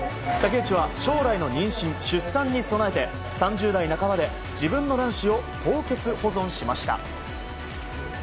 竹内は将来の妊娠・出産に備えて３０代半ばで自分の卵子を凍結保存しました。